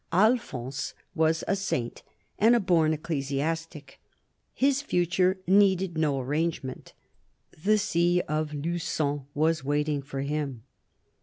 Alphonse was a saint, and a born ecclesiastic ; his future needed no arrangement; the see of Lu^on was waiting for him.